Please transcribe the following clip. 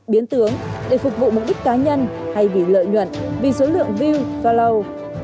biến tướng để phục vụ mục đích cá nhân hay vì lợi nhuận vì số lượng view follow